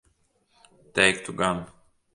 Teiktu gan.